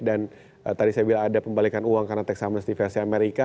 dan tadi saya bilang ada pembalikan uang karena tax summons di versi amerika